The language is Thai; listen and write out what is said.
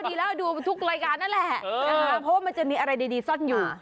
ดีแล้วดูทุกรายการนั่นแหละนะคะเพราะว่ามันจะมีอะไรดีซ่อนอยู่